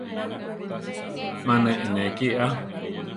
Ma ne eʼnéki a.